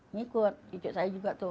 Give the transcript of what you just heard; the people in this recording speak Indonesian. ngikut cucu saya juga tuh